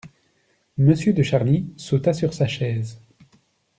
Monsieur de Charny sauta sur sa chaise.